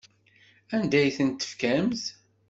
Anda ay tent-tefkamt?